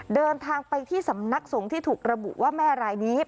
เดินทางไปที่สำนักสงฆ์ที่ถูกระบุว่าแม่รายนี้